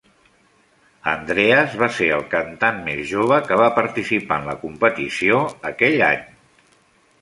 Andreas va ser el cantant més jove que va participar en la competició aquell any.